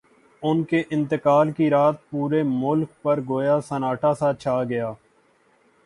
ان کے انتقال کی رات پورے ملک پر گویا سناٹا سا چھا گیا۔